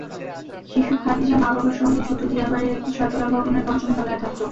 শিশু খাদিজা মা-বাবার সঙ্গে ছোট দিয়াবাড়ির একটি ছয়তলা ভবনের পঞ্চম তলায় থাকত।